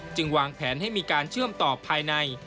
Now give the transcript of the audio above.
วางแผนให้มีการเชื่อมต่อภายใน